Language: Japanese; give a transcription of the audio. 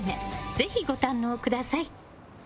ぜひご堪能ください。